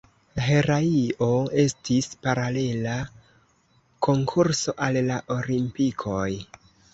La heraio estis paralela konkurso al la Olimpikoj.